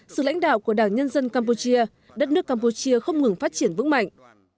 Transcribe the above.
sự lãnh đạo của đảng nhân dân campuchia đất nước campuchia không ngừng phát triển vững mạnh